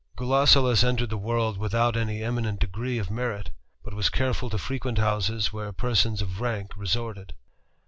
Gulosulus entered the world without any eminent degree f merit ; but was careful to frequent houses where persons f rank resorted.